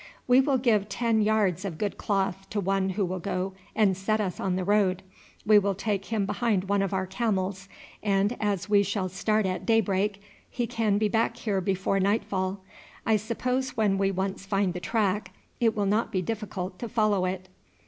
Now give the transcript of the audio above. "We will give ten yards of good cloth to one who will go and set us on the road. We will take him behind one of our camels, and as we shall start at daybreak he can be back here before nightfall. I suppose when we once find the track it will not be difficult to follow it."